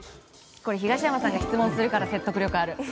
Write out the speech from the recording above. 東山さんが質問するから説得力がある。